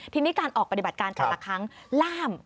ทีนี้การออกปฏิบัติการแต่ละครั้งล่าม